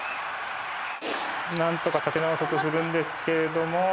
何とか立て直そうとするんですけれども。